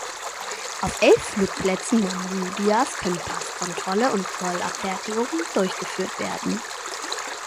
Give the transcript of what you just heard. Auf elf Flugplätzen Namibias können Passkontrolle und Zollabfertigung durchgeführt werden.